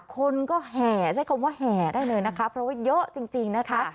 คนก็แห่ใช้คำว่าแห่ได้เลยนะคะเพราะว่าเยอะจริงนะคะ